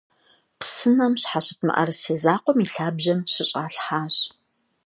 Псынэм щхьэщыт мыӀэрысей закъуэм и лъабжьэм щыщӀалъхьащ.